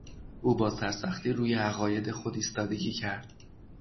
او با سرسختی روی عقاید خود ایستادگی کرد.